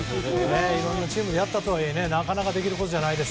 いろんなチームでやったとはいえなかなかできることじゃないです。